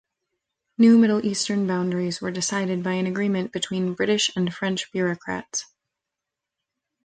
New Middle Eastern boundaries were decided by an agreement between British and French bureaucrats.